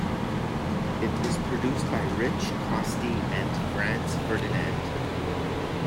It was produced by Rich Costey and Franz Ferdinand.